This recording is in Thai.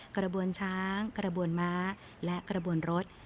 กระบวนช้างกระบวนม้าและกระบวนรถ